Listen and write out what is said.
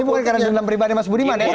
ini bukan karena dalam pribadi mas budiman ya